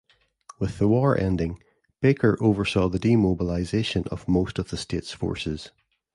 With the war ending, Baker oversaw the demobilization of most of the state's forces.